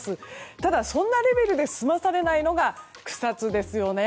ただ、そんなレベルで済まされないのが草津ですよね。